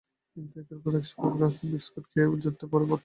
কিন্তু একের পর এক গোগ্রাসে বিস্কুট খেয়ে জুটতে পারে বদনাম।